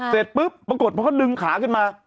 เสร็จปุ๊บปรากฏพอเขาดึงขาขึ้นมา